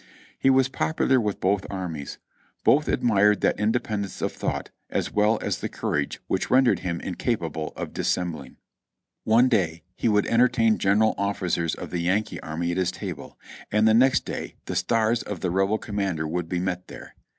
He was popular with both armies ; both admired that independence of thought as well as the courage which rendered him incapable of dissembling. One day he would entertain general officers of the Yankee army at his table, and the next day the stars of the Rebel commander would be met there.